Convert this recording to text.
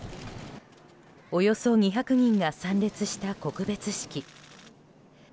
およそ２００人が参列した告別式。